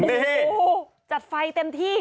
นี่จัดไฟเต็มที่